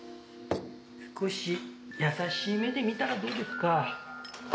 少し優しい目で見たらどうですか？